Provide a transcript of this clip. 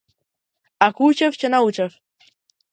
Ако учев ќе научев.